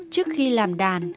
trước khi làm đàn